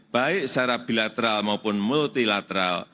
baik secara bilateral maupun multilateral